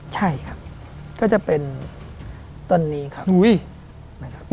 ใช่ครับก็จะเป็นต้นนี้ครับ